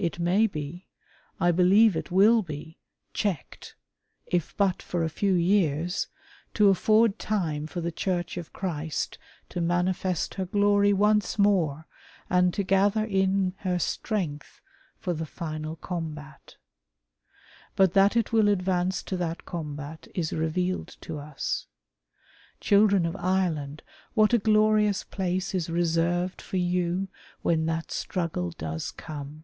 It may be — I believe it will be — checked, if but for a few years, to afford time for the Church of Christ to manifest her glory once more, and to gather in her strength for the final combat. But that it will advance to that combat is revealed to us. Children of Ireland what a glorious place is reserved for you when that struggle does come!